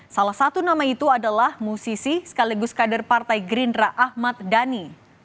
salah satu nama itu adalah musisi sekaligus kader partai gerindra ahmad dhani